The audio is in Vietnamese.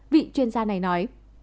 vị chuyên gia này nói